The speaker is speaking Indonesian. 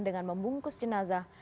dengan membungkus jenazah